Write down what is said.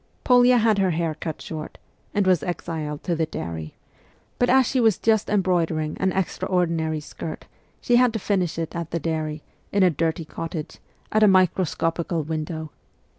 Polya had her hair cut short, and was exiled to the dairy ; but as she was just embroidering an extraordinary skirt, she had to finish it at the dairy, in a dirty cottage, at a microscopical window.